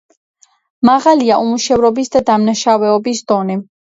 მაღალია უმუშევრობის და დამნაშავეობის დონე.